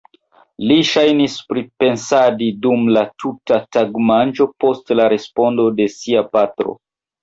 Li ŝajnis pripensadi dum la tuta tagmanĝo post la respondo de sia patro.